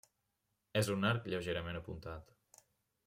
És un arc lleugerament apuntat.